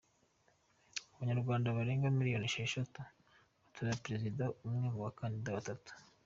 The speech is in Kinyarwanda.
Abanyarwanda barenga miliyoni esheshatu baratora perezida umwe mu bakandida batatu.